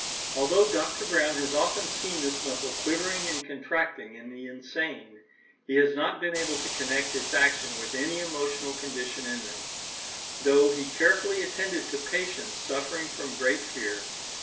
Although Dr. Browne has often seen this muscle quivering and contracting in the insane, he has not been able to connect its action with any emotional condition in them, though he carefully attended to patients suffering from great fear.